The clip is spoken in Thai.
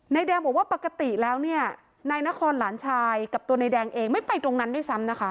แดงบอกว่าปกติแล้วเนี่ยนายนครหลานชายกับตัวนายแดงเองไม่ไปตรงนั้นด้วยซ้ำนะคะ